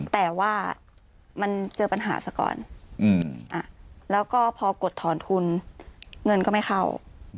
แต่ว่ามันเจอปัญหาซะก่อนแล้วก็พอกดถอนทุนเงินก็ไม่เข้า